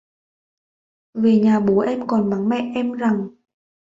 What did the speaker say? Về nhà bố em còn mắng mẹ em rằng